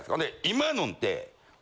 今のって。